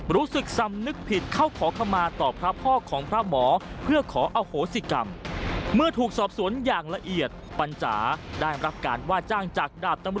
รู้สึกซำนึกผิดเข้าขอคำมาต่อพระพ่อของพระหมอ